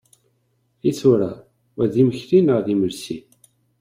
I tura, wa d imekli neɣ d imensi?